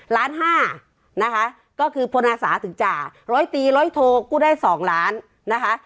ล้านห้านะคะก็คือพลอาสาถึงจ่าร้อยตีร้อยโทกู้ได้๒ล้านนะคะ